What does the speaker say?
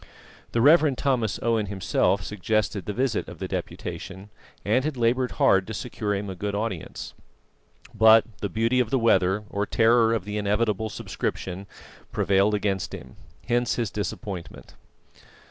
The Rev. Thomas Owen himself suggested the visit of the Deputation, and had laboured hard to secure him a good audience. But the beauty of the weather, or terror of the inevitable subscription, prevailed against him. Hence his disappointment.